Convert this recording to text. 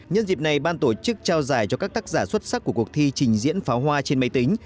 nhân dịp này ban tổ chức trao giải cho các tác giả xuất sắc của cuộc thi trình diễn pháo hoa trên máy tính